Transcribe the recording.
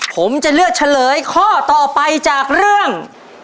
ผมจะเลือกเฉลยข้อต่อไปจากเรื่อง